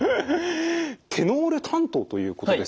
テノール担当ということですよね。